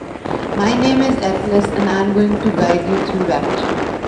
My name is Atlas and I'm going to guide you through Rapture.